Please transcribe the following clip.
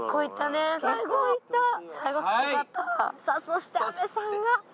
さぁそして阿部さんが。